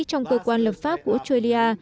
trong cơ quan lập pháp của australia